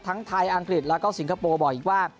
ไทยอังกฤษแล้วก็สิงคโปร์บอกอีกว่า